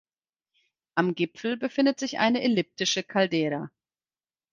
Am Gipfel befindet sich eine elliptische Caldera.